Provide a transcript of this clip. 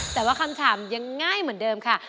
แต่ว่าคำถามยังง่ายเหมือนเดิมค่ะ